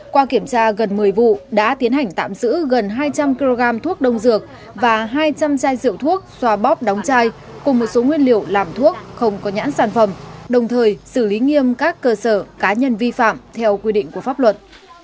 qua kiểm tra gần một mươi vụ đã tiến hành tạm giữ gần hai trăm linh kg thuốc đông dược và hai trăm linh chai rượu thuốc xòa bóp đóng chai cùng một số nguyên liệu làm thuốc không có nhãn sản phẩm đồng thời xử lý nghiêm các cơ sở cá nhân vi phạm theo quy định của pháp luật